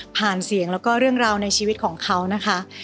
เสียงแล้วก็เรื่องราวในชีวิตของเขานะคะ